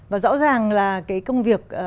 và rõ ràng là cái công việc